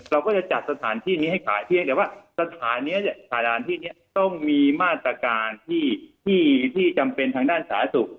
เราก็จะจัดสถานที่นี้ให้ขายเพียงแต่ว่าสถานีนี้ต้องมีมาตรการที่จำเป็นทางด้านสาธารณสุข